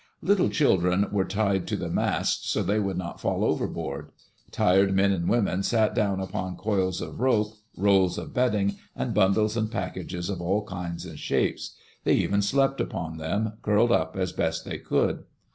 Little children were tied to the masts so they would not fall overboard. Tired men and women sat down upon coils of rope, rolls of bedding, and bundles and packages of all kinds and shapes. They even slept upon them, curled up as best they could.